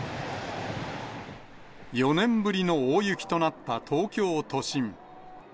４年ぶりの大雪となった東京都心。